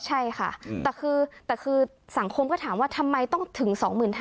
ใช่ค่ะแต่คือสังคมก็ถามว่าทำไมต้องถึง๒๕๐๐